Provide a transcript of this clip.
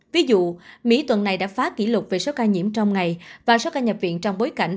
ví dụ mỹ tuần này đã phá kỷ lục về số ca nhiễm trong ngày và số ca nhập viện trong bối cảnh